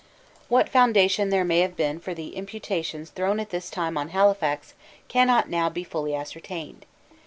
What foundation there may have been for the imputations thrown at this time on Halifax cannot now be fully ascertained.